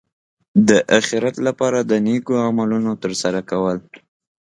د اخرت لپاره د نېکو عملونو ترسره کول.